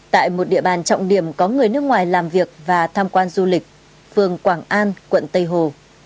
tại một địa bàn trọng điểm có người nước ngoài làm việc và tham quan du lịch phường quảng an quận tây hồ